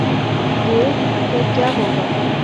گے، پھر کیا ہو گا؟